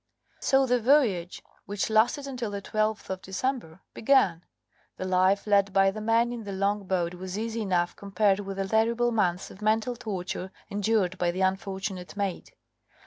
So the voyage, which lasted until the 12th of December, began. The life led by the men in the longboat was easy enough compared with the terrible months of mental torture endured by the unfortunate mate.